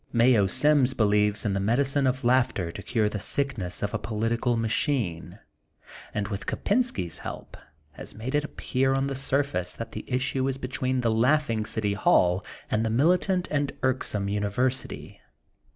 Mayo Sims believes in the medicine of laughter to cure the sickness of a political machine, and with Kopensky^s help has made it appear on the surface that the issue is between the laughing City Hall and the militant and irksome Uni versity.